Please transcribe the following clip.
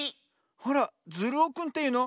あらズルオくんというの？